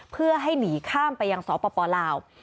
เพื่อให้หนีข้ามไปยังสปลาว